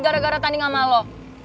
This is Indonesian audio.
gara gara tadi gak malu